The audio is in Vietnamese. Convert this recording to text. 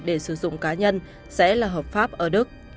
để sử dụng cá nhân sẽ là hợp pháp ở đức